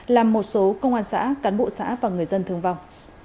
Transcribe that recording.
làm một số công an xã cán bộ xã và người dân thương vong